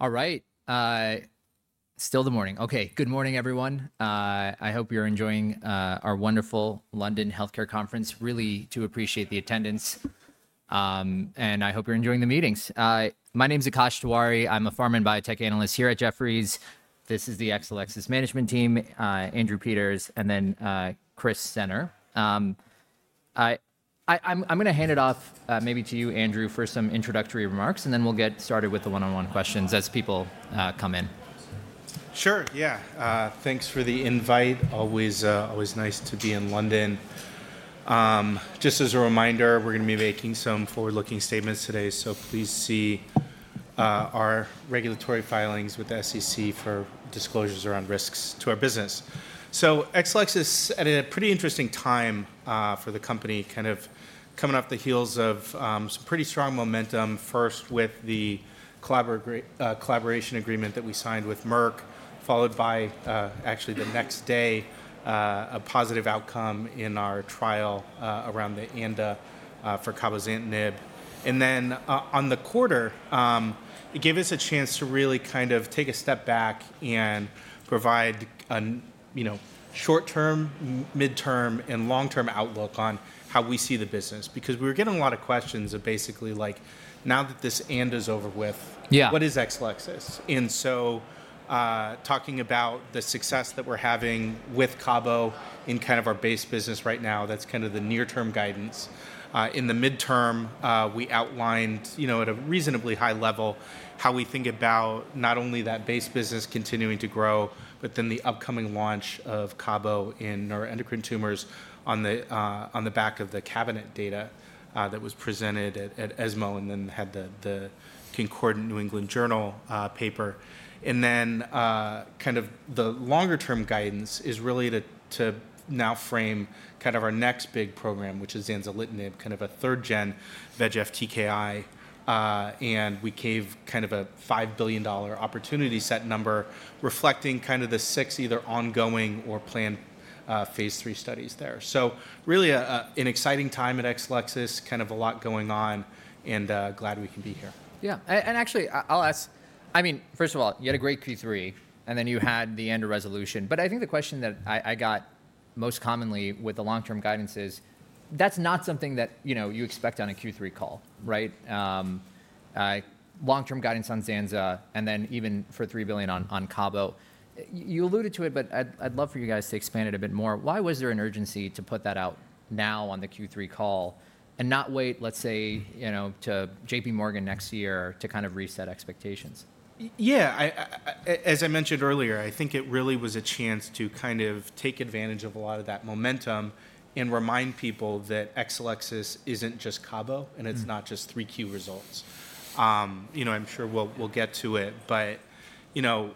All right. Still the morning. Okay. Good morning, everyone. I hope you're enjoying our wonderful London Healthcare conference. Really do appreciate the attendance, and I hope you're enjoying the meetings. My name is Akash Tewari. I'm a former biotech analyst here at Jefferies. This is the Exelixis management team, Andrew Peters and then Chris Senner. I'm going to hand it off maybe to you, Andrew, for some introductory remarks, and then we'll get started with the one-on-one questions as people come in. Sure, yeah. Thanks for the invite. Always, always nice to be in London. Just as a reminder, we're going to be making some forward looking statements today, so please see our regulatory filings with the SEC for disclosures around risks to our business. So Exelixis is at a pretty interesting time for the company. Kind of coming off the heels of some pretty strong momentum. First with the collaboration agreement that we signed with Merck, followed by actually the next day a positive outcome in our trial around the ANDA for Cabozantinib. And then on the quarter, it gave us a chance to really kind of take a step back and provide short term midterm and long term outlook on how we see the business. Because we were getting a lot of questions of basically like now that this end is over with. Yeah, what is Exelixis? Talking about the success that we're having with Cabo in kind of our base business right now, that's kind of the near term guidance. In the midterm we outlined, you know, at a reasonably high level how we think about not only that base business continuing to grow, but then the upcoming launch of Cabo in neuroendocrine tumors on the back of the Cabozantinib data that was presented at ESMO and then had the concordant New England Journal of Medicine paper. Then kind of the longer term guidance is really to now frame kind of our next big program, which is Zanzolitanib, kind of a third-gen VEGF TKI. We gave kind of a $5 billion opportunity set number reflecting kind of the six either ongoing or planned phase three studies there. So really an exciting time at Exelixis, kind of a lot going on and glad we can be here. Yeah. Actually, I'll ask. I mean, first of all, you had a great Q3 and then you had the ANDA resolution. But I think the question that I got most commonly with the long-term guidance is that's not something that, you know, you expect on a Q3 call. Right. Long-term guidance on Zanza and then even for $3 billion on Cabo. You alluded to it, but I'd love for you guys to expand it a bit more. Why was there an urgency to put that out now on the Q3 call and not wait, let's say, you know, to J.P. Morgan next year to kind of reset expectations? Yeah, as I mentioned earlier, I think it really was a chance to kind of take advantage of a lot of that momentum and remind people that Exelixis isn't just Cabo and it's not just 3Q results. You know, I'm sure we'll get to it, but, you know,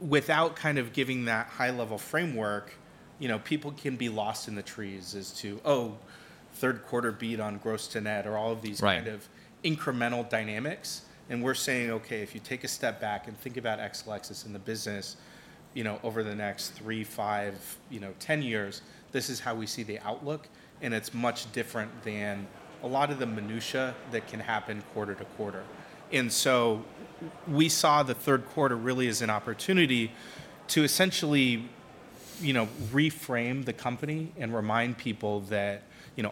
without kind of giving that high level framework, you know, people can be lost in the trees as to, oh, third quarter beat on gross-to-net, or all of these kind of incremental dynamics. And we're saying, okay, if you take a step back and think about Exelixis in the business, you know, over the next three, five, you know, 10 years, this is how we see the outlook. And it's much different than a lot of the minutia that can happen quarter-quarter. And so we saw the third quarter really as an opportunity to essentially reframe the company and remind people that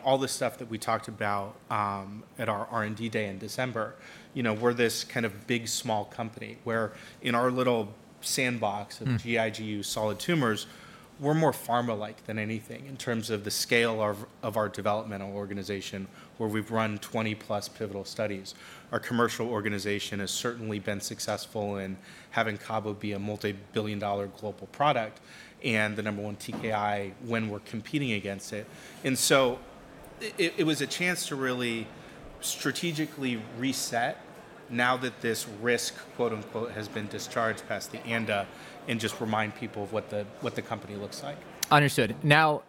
all the stuff that we talked about at our R&D Day in December. We're this kind of big small company where in our little sandbox of GI/GU solid tumors, we're more pharma like than anything in terms of the scale of our developmental organization. We're where we've run 20-plus pivotal studies. Our commercial organization has certainly been successful in having Cabo be a multibillion-dollar global product and the number one TKI when we're competing against it. And so it was a chance to really strategically reset now that this risk, quote-unquote, has been discharged past the ANDA and just remind people of what the company looks like. Understood now.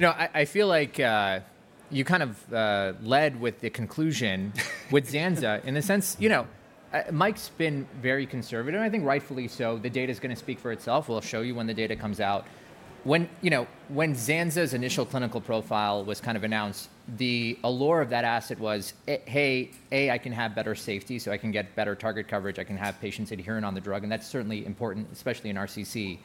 No, I feel like you kind of led with the conclusion with Zanza in the sense, you know, Mike's been very conservative. I think rightfully so. The data is going to speak for itself. We'll show you when the data comes out, when, you know, when Zanza's initial clinical profile was kind of announced, the allure of that asset was, hey, A, I can have better safety so I can get better target coverage. I can have patients adherent on the drug, and that's certainly important, especially in RCC.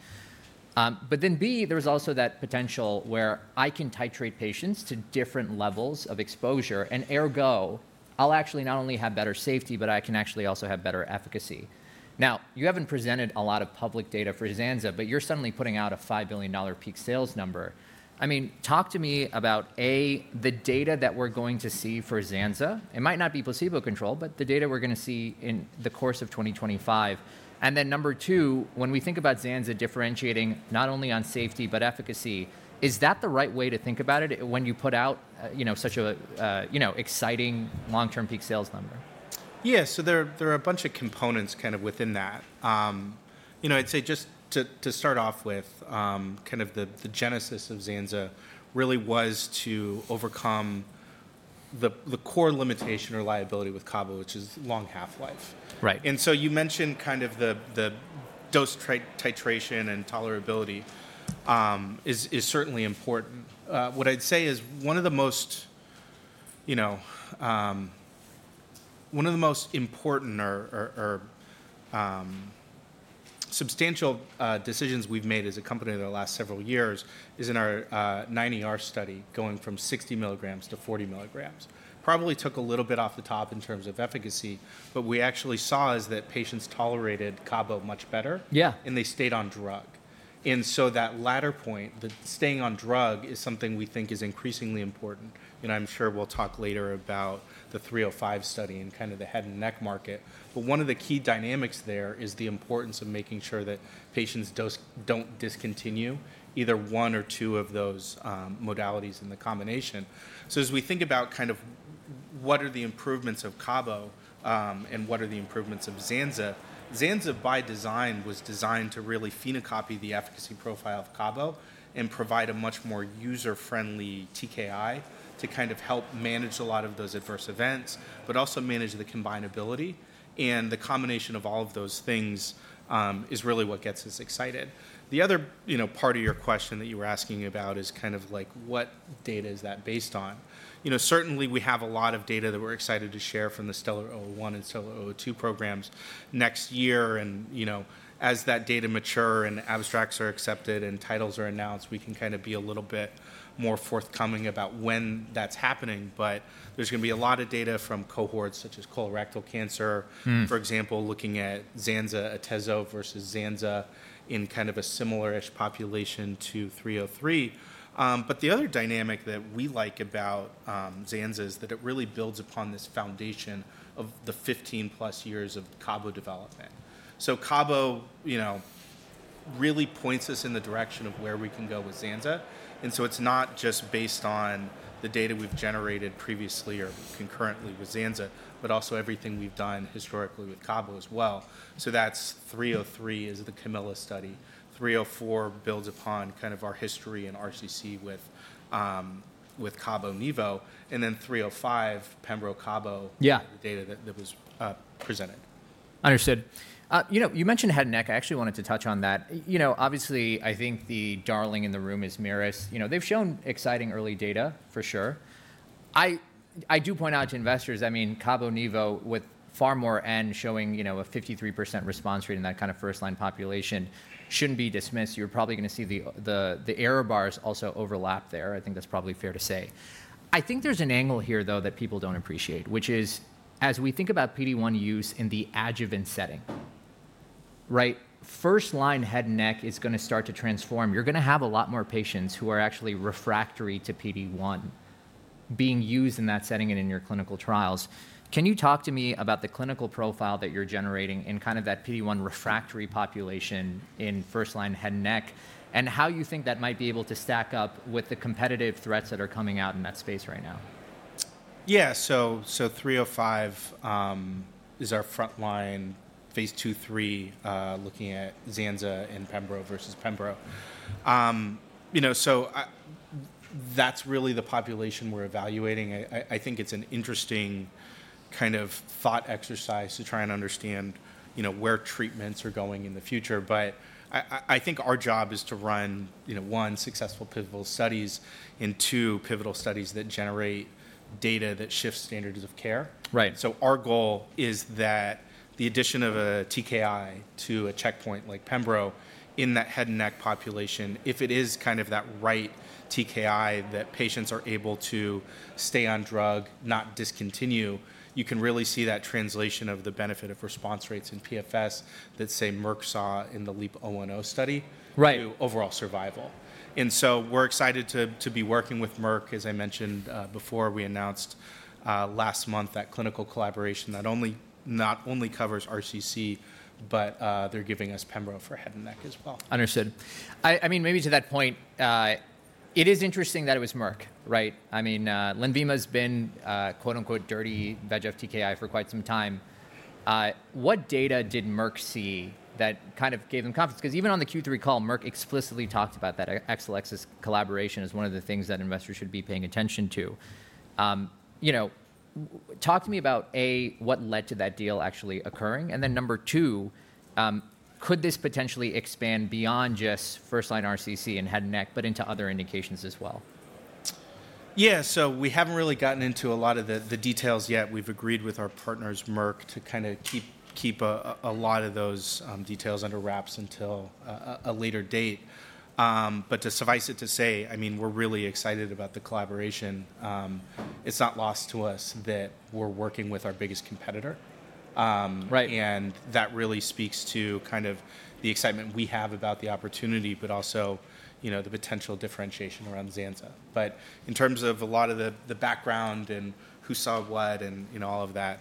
But then B, there was also that potential where I can titrate patients to different levels of exposure and ergo, I'll actually not only have better safety but I can actually also have better efficacy. Now, you haven't presented a lot of public data for Zanza, but you're suddenly putting out a $5 billion peak sales number. I mean, talk to me about the data that we're going to see for Zanza. It might not be placebo control, but the data we're going to see in the course of 2025. Then number two, when we think about Zanza differentiating not only on safety, but efficacy, is that the right way to think about it when you put out, you know, such a, you know, exciting long term peak sales number? Yes. So there are a bunch of components kind of within that. You know, I'd say just to start off with kind of the genesis of Zanza really was to overcome the core limitation or liability with Cabo, which is long half-life. Right. And so you mentioned kind of the dose titration and tolerability is certainly important. What I'd say is one of the most, you know, one of the most important or substantial decisions we've made as a company in the last several years is in our 9 ER study going from 60 mg to 40 mg probably took a little bit off the top in terms of efficacy, but we actually saw is that patients tolerated Cabo much better. Yeah. And they stayed on drug. And so that latter point, staying on drug, is something we think is increasingly important. And I'm sure we'll talk later about the 305 study and kind of the head and neck market. But one of the key dynamics there is the importance of making sure that patients don't discontinue either one or two of those modalities in the combination. So as we think about kind of what are the improvements of Cabo and what are the improvements of Zanza? Zanza by design was designed to really phenocopy the efficacy profile of Cabo and provide a much more user friendly TKI to kind of help manage a lot of those adverse events, but also manage the combinability. And the combination of all of those things is really what gets us excited. The other part of your question that you were asking about is kind of like what data is that based on? Certainly we have a lot of data that we're excited to share from the STELLAR 001 and STELLAR 002 programs next year. As that data mature and abstracts are accepted and titles are announced, we can kind of be a little bit more forthcoming about when that's happening. There's going to be a lot of data from cohorts such as colorectal cancer, for example, looking at zanza Atezo versus zanza in kind of a similar ish population to 303. The other dynamic that we like about zanza is that it really builds upon this foundation of the 15 plus years of cabo development. Cabo, you know, really points us in the direction of where we can go with zanza. And so it's not just based on the data we've generated previously or concurrently with Zanza, but also everything we've done historically with Cabo as well. So that's 303 is the Camilla study. 304 builds upon kind of our history in RCC with Cabo Nevo and then 305 Pembroke Cabo data that was presented. Understood. You know, you mentioned head and neck. I actually wanted to touch on that. You know, obviously I think the darling in the room is Merus. You know, they've shown exciting early for sure. I do point out to investors, I mean, Cabo/Nivo with far more and showing, you know, a 53% response rate in that kind of first line population, shouldn't be dismissed. You're probably going to see the error bars also overlap there. I think that's probably fair to say. I think there's an angle here though that people don't appreciate, which is as we think about PD-1 use in the adjuvant setting. Right. First line head and neck is going to start to transform. You're going to have a lot more patients who are actually refractory to PD-1 being used in that setting and in your clinical trials. Can you talk to me about the clinical profile that you're generating in kind of that PD-1 refractory population in first line head and neck and how you think that might be able to stack up with the competitive threats that are coming out in that space right now? Yeah. So 305 is our frontline phase two, three looking at Zanza and Pembro versus Pembro, you know, so that's really the population we're evaluating. I think it's an interesting kind of thought exercise to try and understand, you know, where treatments are going in the future. But I think our job is to run, you know, one successful pivotal studies and two pivotal studies that generate data that shifts standards of care. Right. So our goal is that the addition of a TKI to a checkpoint like Pembro in that head and neck population, if it is kind of that. Right. TKI that patients are able to stay on drug, not discontinue, you can really see that translation of the benefit of response rates in PFS that, say, Merck saw in the LEAP-010 study to overall survival. And so we're excited to be working with Merck. As I mentioned before, we announced last month that clinical collaboration that not only covers RCC, but they're giving us pembro for head and neck as well. Understood. I mean, maybe to that point, it is interesting that it was Merck. Right. I mean, Lenvima has been quote, unquote, dirty VEG of TKI for quite some time. What data did Merck see that kind of gave them confidence? Because even on the Q3 call, Merck explicitly talked about that XL092 collaboration as one of the things that investors should be paying attention to. You know, talk to me about a. What led to that deal actually occurring and then number two, could this potentially expand beyond just first line RCC and head and neck, but into other indications as well? Yeah, so we haven't really gotten into a lot of the details yet. We've agreed with our partners, Merck, to kind of keep a lot of those details under wraps until a later date. But to suffice it to say, I mean, we're really excited about the collaboration. It's not lost to us that we're working with our biggest competitor. Right. And that really speaks to kind of the excitement we have about the opportunity, but also, you know, the potential differentiation around Zanza. But in terms of a lot of the background and who saw what and, you know, all of that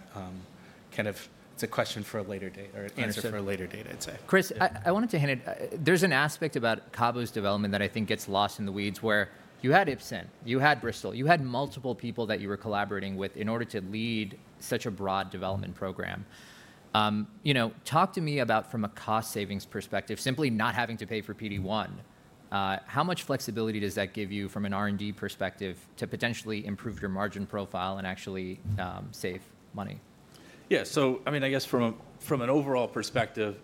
kind of. It's a question for a later date or an answer for a later date. I'd say, Chris, I wanted to hint it. There's an aspect about Cabo's development that I think gets lost in the weeds. Where you had Ipsen, you had Bristol, you had multiple people that you were collaborating with in order to lead such a broad development program. You know, talk to me about, from a cost savings perspective, simply not having to pay for PD1. How much flexibility does that give you from an R and D perspective to potentially improve your margin profile and actually save money? Yeah, so I mean, I guess from an overall perspective,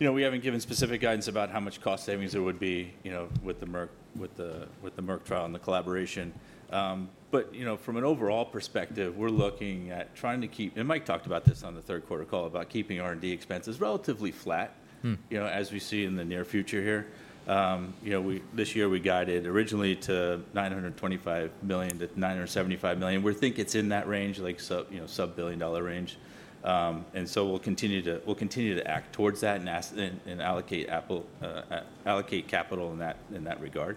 you know, we haven't given specific guidance about how much cost savings there would be, you know, with the Merck trial and the collaboration. But, you know, from an overall perspective, we're looking at trying to keep, and Mike talked about this on the third quarter call about keeping R&D expenses relatively flat, you know, as we see in the near future here. You know, this year we guided originally to $925 million-$975 million. We think it's in that range, like you know, sub-$1 billion range. And so we'll continue to, we'll continue to act towards that and as we allocate capital in that regard.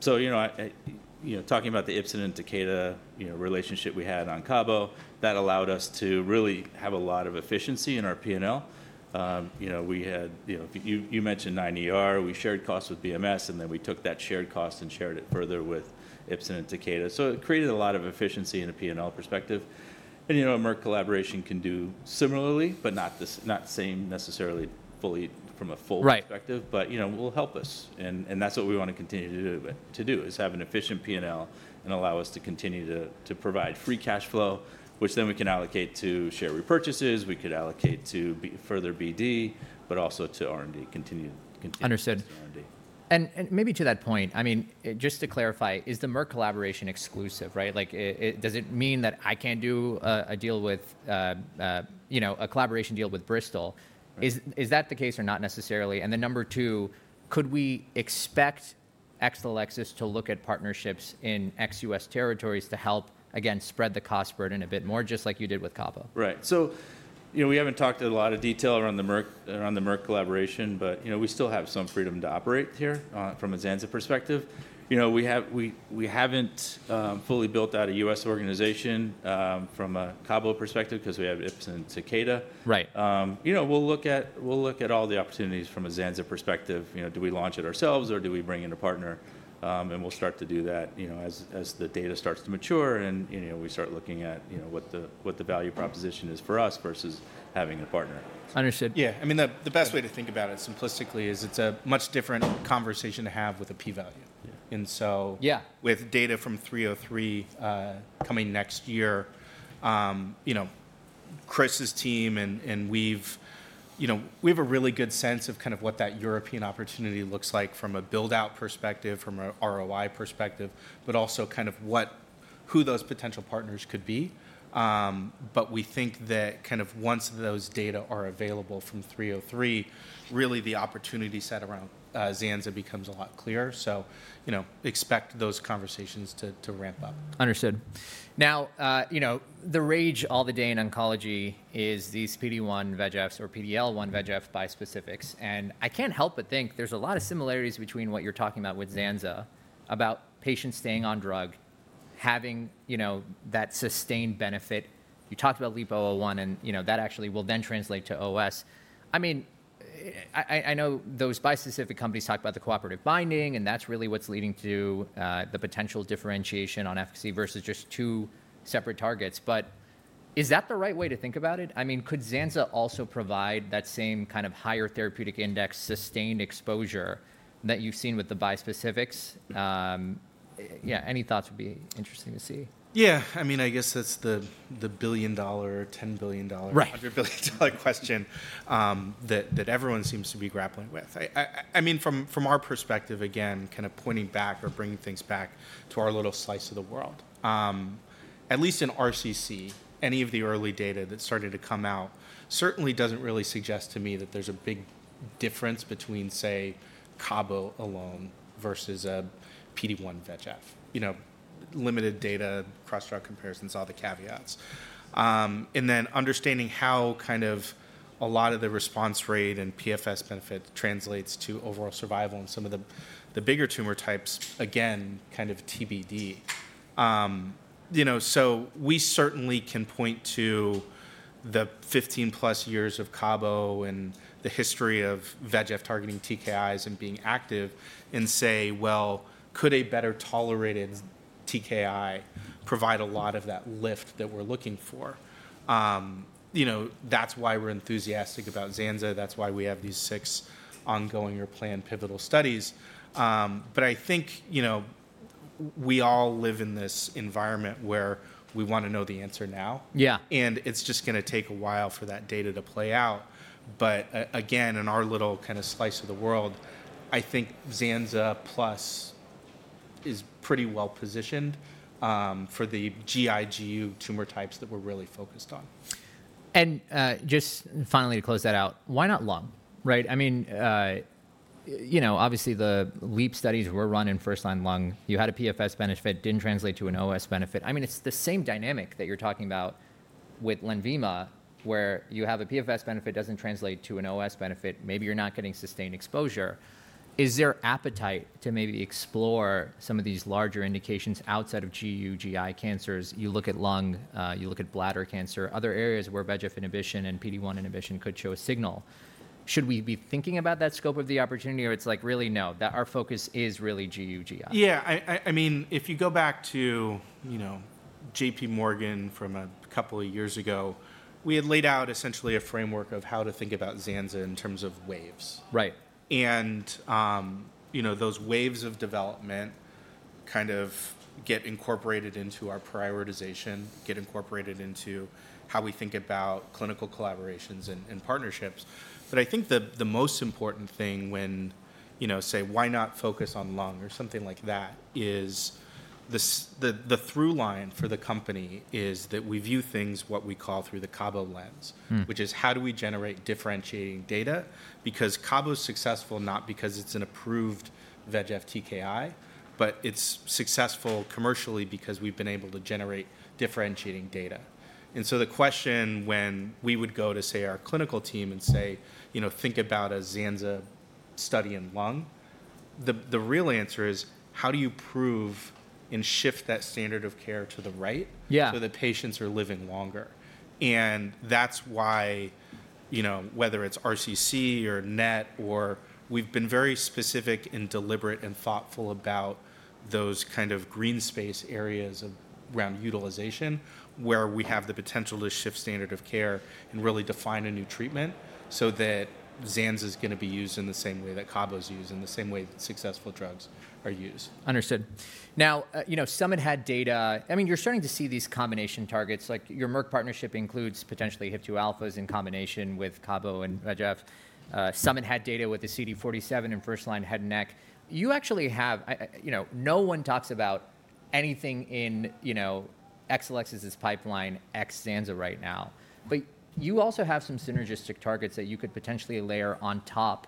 So you know, talking about the Ipsen and Takeda relationship we had on Cabo, that allowed us to really have a lot of efficiency in our P&L. We had, you mentioned 9 ER, we shared costs with BMS and then we took that shared cost and shared it further with Ipsen and Takeda. So it created a lot of efficiency in a P&L perspective. And you know, Merck collaboration can do some similarly, but not this, not same necessarily fully from a full perspective, but you know, will help us and that's what we want to continue to do. To do is have an efficient P&L and allow us to continue to provide free cash flow which then we can allocate to share repurchases. We could allocate to further BD, but also to R and D. And maybe to that point, I mean, just to clarify, is the Merck collaboration exclusive? Right. Like, does it mean that I can't do a deal with, you know, a collaboration deal with Bristol? Is that the case or not necessarily. And then number two, could we expect Exelixis to look at partnerships in ex-U.S. territories to help again spread the cost burden a bit more just like you did with Cabo. Right. So, you know, we haven't talked a lot of detail around the Merck collaboration, but you know, we still have some freedom to operate here from a Zanza perspective. You know, we haven't fully built out a U.S. organization from a Cabo perspective because we have Ipsen and Takeda. Right. You know, we'll look at all the opportunities from a Zanza perspective. You know, do we launch it ourselves or do we bring in a partner? And we'll start to do that, you know, as the data starts to mature and you know, we start looking at, you know, what the, what the value proposition is for us versus having a partner. Understood. Yeah, I mean the best way to think about it simplistically is it's a much different conversation to have with a p-value. And so yeah, with data from 303 coming next year, you know, Chris's team and we've, you know, we have a really good sense of kind of what that European opportunity looks like from a build out perspective, from a ROI perspective, but also kind of what who those potential partners could be. But we think that kind of once those data are available from 303, really the opportunity set around Zanza becomes a lot clearer. So, you know, expect those conversations to ramp up. Understood. Now, you know, the rage all the day in oncology is these PD-1/VEGFs or PD-L1/VEGF bispecifics, and I can't help but think there's a lot of similarities between what you're talking about with Zanza about patients staying on drug having, you know, that sustained benefit. You talked about LEAP-001 and you know, that actually will then translate to OS. I mean, I know those bispecific companies talk about the cooperative binding, and that's really what's leading to the potential differentiation on efficacy versus just two separate targets, but is that the right way to think about it? I mean, could Zanza also provide that same kind of higher therapeutic index, sustained exposure that you've seen with the bispecifics? Yeah. Any thoughts? Would be interesting to see. Yeah, I mean, I guess that's the billion-dollar, $10 billion question that everyone seems to be grappling with. I mean, from our perspective, again, kind of pointing back or bringing things back to our little slice of the world, at least in RCC, any of the early data that's starting to come out certainly doesn't really suggest to me that there's a big difference between, say, Cabo alone versus a PD1 VEGF, you know, limited data, cross-trial comparisons, all the caveats, and then understanding how kind of a lot of the response rate and PFS benefit translates to overall survival and some of the bigger tumor types, again, kind of TBD. We certainly can point to the 15 plus years of Cabo and the history of VEGF targeting TKIs and being active and say, well, could a better tolerated TKI provide a lot of that lift that we're looking for? You know, that's why we're enthusiastic about Zanza. That's why we have these six ongoing or planned pivotal studies. I think, you know, we all live in this environment where we want to know the answer now. Yeah. It's just going to take a while for that data to play out. Again, in our little kind of slice of the world, I think Zanza plus is pretty well positioned for the GI GU tumor types that we're really. Focused on and just finally to close that out. Why not lung? Right. I mean, obviously the LEAP studies were run in first line lung, you had a PFS benefit didn't translate to an OS benefit. I mean, it's the same dynamic that you're talking about with Lenvima, where you have a PFS benefit doesn't translate to an OS benefit. Maybe you're not getting sustained. Sustained exposure. Is there appetite to maybe explore some of these larger indications outside of GU and GI cancers? You look at lung, you look at bladder cancer, other areas where VEGF inhibition and PD-1 inhibition could show a signal. Should we be thinking about that scope of the opportunity or it's like, really? No. That our focus is really GU and GI? Yeah. I mean, if you go back to, you know, J.P. Morgan from a couple of years ago, we had laid out essentially a framework of how to think about Zanza in terms of waves. Right. Those waves of development kind of get incorporated into our prioritization, get incorporated into how we think about clinical collaborations and partnerships. I think the most important thing when, say, why not focus on lung or something like that is the through line for the company is that we view things what we call through the Cabo lens, which is how do we generate differentiating data. Because Cabo is successful, not because it's an approved VEGF TKI, but it's successful commercially because we've been able to generate differentiating data. The question when we would go to, say, our clinical team and say, you know, think about a Zanza study in lung, the real answer is how do you prove and shift that standard of care to the right. Yeah. The patients are living longer. That's why, you know, whether it's RCC or NET or we've been very specific and deliberate and thoughtful about those kind of green space areas around utilization where we have the potential to shift standard of care and really define a new treatment so that Zanza is going to be used in the same way that Cabo's used in the same way successful drugs are used. Understood. Now, you know, Summit had data. I mean, you're starting to see these combination targets like your Merck partnership includes, potentially have two SIRP-alphas in combination with Cabo. And Jefferies, Summit had data with the CD47 and first line head and neck. You actually have, you know, no one talks about anything in, you know, Exelixis's pipeline ex Zanza right now. But you also have some synergistic targets that you could potentially layer on top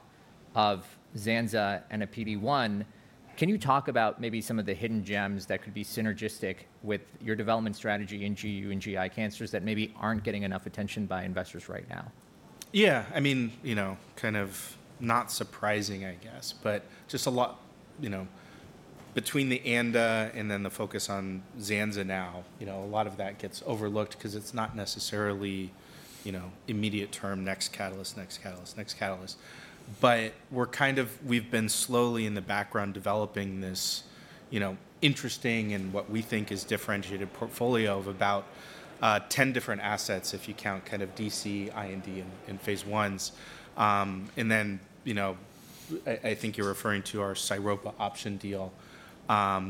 of Zanza and a PD-1. Can you talk about maybe some of the hidden gems that could be synergistic with your development strategy in GU and GI cancers that maybe aren't getting enough attention by investors right now? Yeah, I mean, you know, kind of not surprising, I guess, but just a lot, you know, between the ANDA and then the focus on Zanza now, you know, a lot of that gets overlooked because it's not necessarily, you know, immediate term. Next catalyst. Next catalyst. Next catalyst. But we're kind of. We've been slowly in the background developing this, you know, interesting and what we think is differentiated portfolio of about 10 different assets, if you count kind of IND and phase ones. And then, you know, I think you're referring to our Sairopa option deal.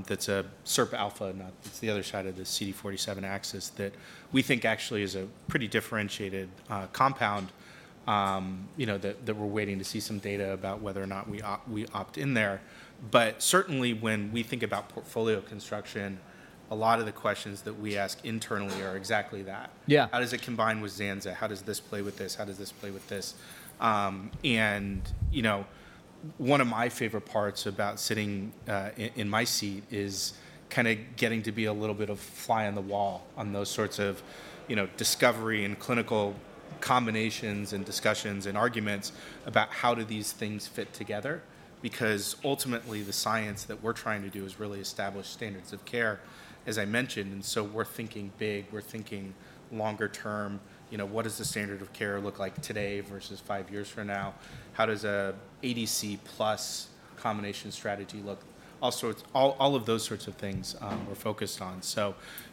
That's a SIRP-alpha, not. That's the other side of the CD47 axis that we think actually is a pretty differentiated compound. You know, that we're waiting to see some data about whether or not we opt in there. But certainly when we think about portfolio construction, a lot of the questions that we ask internally are exactly that. Yeah. How does it combine with Zanza? How does this play with this? How does this play with this? And you know, one of my favorite parts about sitting in my seat is kind of getting to be a little bit of fly on the wall on those sorts of discovery and clinical combinations and discussions and arguments about how do these things fit together. Because ultimately, the science that we're trying to do is really establish standards of care, as I mentioned. And so we're thinking big, we're thinking longer term. What does the standard of care look like today versus five years from now? How does a ADC plus combination strategy look? All sorts. All of those sorts of things we're focused on. You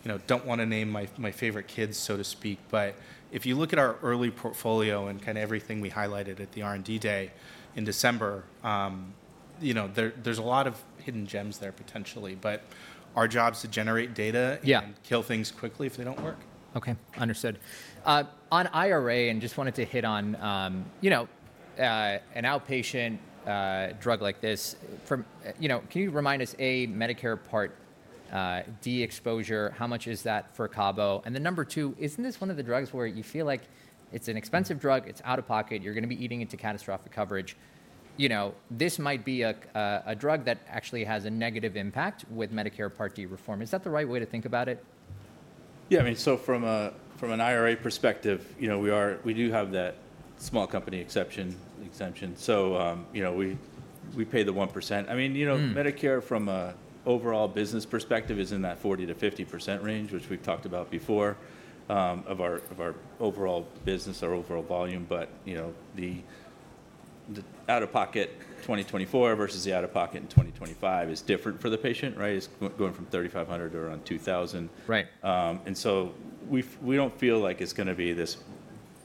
know, don't want to name my favorite kids, so to speak, but if you look at our early portfolio and kind of everything we highlighted at the R&D Day in December, you know, there's a lot of hidden gems there potentially. But our job is to generate data and kill things quickly if they don't work. Okay, understood. On IRA and just wanted to hit on, you know, an outpatient drug like this, you know, can you remind us a Medicare Part D exposure, how much is that for Cabo? And then number two, isn't this one of the drugs where you feel like it's an expensive drug, it's out of pocket, you're going to be eating into catastrophic coverage. You know, this might be a drug that actually has a negative impact with Medicare Part D reform. Is that the right way to think about it? Yeah. I mean, so from an IRA perspective, you know, we do have that small company exception. So you know, we pay the 1%. I mean, you know, Medicare from an overall business perspective is in that 40%-50% range which we've talked about before of our overall business, our overall volume. But you know, the out-of-pocket 2024 versus the out-of-pocket in 2025 is different for the patient. Right. It's going from $3,500 to around $2,000. Right. And so we don't feel like it's going to be this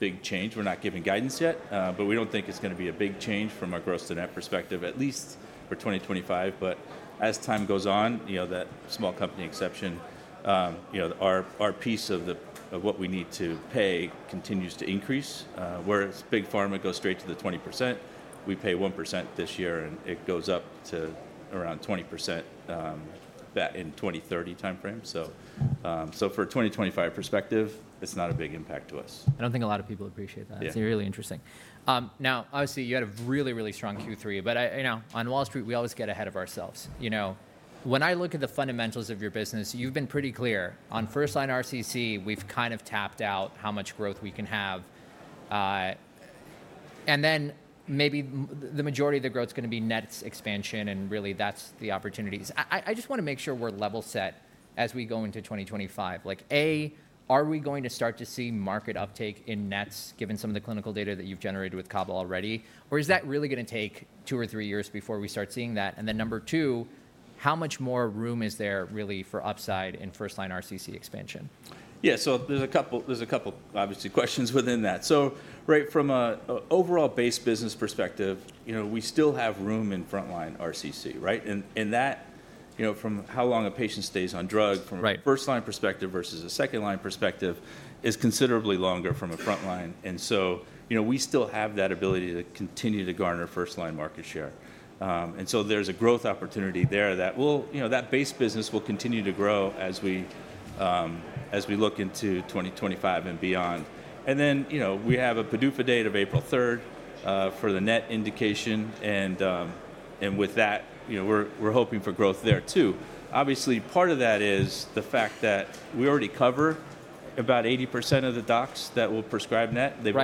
big change. We're not giving guidance yet, but we don't think it's going to be a big change from a Gross-to-Net perspective, at least for 2025. But as time goes on, you know, that small company exception, you know, our piece of what we need to pay continues to increase whereas Big Pharma goes straight to the 20%. We pay 1% this year and it goes up to around 20% in that 2030 time frame. So for 2025 perspective, it's not a big impact to us. I don't think a lot of people appreciate that. It's really interesting now obviously you had a really, really strong Q3, but you know, on Wall Street we always get ahead of ourselves. You know, when I look at the fundamentals of your business, you've been pretty clear on first line RCC. We've kind of tapped out how much growth we can have and then maybe the majority of the growth is going to be NETs expansion and really that's the opportunities. I just want to make sure we're level set as we go into 2025. Like a, are we going to start to see market uptake in NETs given some of the clinical data that you've generated with Cabo already? Or is that really going to take two or three years before we start seeing that? And then number two, how much more room is there really for upside in first-line RCC expansion? Yeah, so there's a couple obviously questions within that. So, right. From an overall base business perspective, you know, we still have room in frontline RCC. Right. And that, you know, from how long a patient stays on drug from a first line perspective versus a second line perspective is considerably longer from a frontline. And so, you know, we still have that ability to continue to garner first line market share. And so there's a growth opportunity there that will, you know, that base business will continue to grow as we look into 2025 and beyond. And then, you know, we have a PDUFA date of April 3rd for the NET indication. And with that, you know, we're hoping for growth there, too, obviously. Part of that is the fact that we already cover about 80% of the docs that will prescribe NET. They've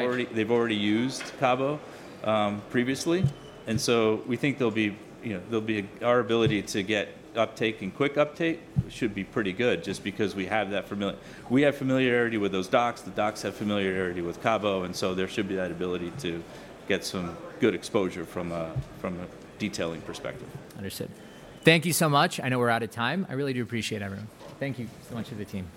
already used Cabo previously. And so we think there'll be, you know, our ability to get uptake and quick uptake should be pretty good just because we have that familiarity with those docs. The docs have familiarity with Cabo, and so there should be that ability to get some good exposure from a detailing perspective. Understood. Thank you so much. I know we're out of time. I really do appreciate everyone. Thank you so much to the team.